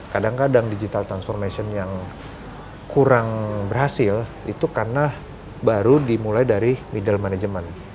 kadang kadang digital transformation yang kurang berhasil itu karena baru dimulai dari middle management